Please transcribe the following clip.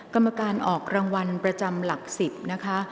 กรรมการออกรางวัลประจำหลัก๑๐นะคะ